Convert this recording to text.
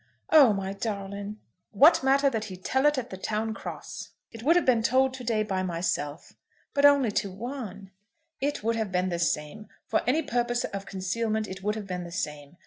"Oh, my darling!" "What matter though he tells it at the town cross? It would have been told to day by myself." "But only to one." "It would have been the same. For any purpose of concealment it would have been the same.